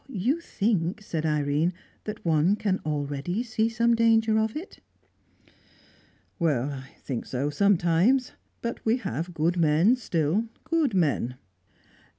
"You think," said Irene, "that one can already see some danger of it?" "Well, I think so sometimes. But we have good men still, good men."